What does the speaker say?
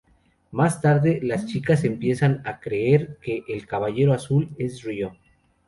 Más tarde, las chicas empiezan a creer que El Caballero Azul es Ryō.